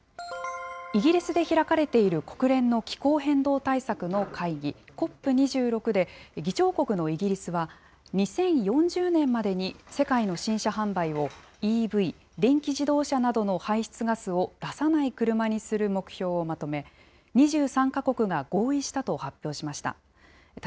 イギリスで開かれている国連の気候変動対策の会議、ＣＯＰ２６で、議長国のイギリスは、２０４０年までに世界の新車販売を、ＥＶ・電気自動車などの、排出ガスを出さない車にする目標をまとめ、２３か国が合意したと発表しました。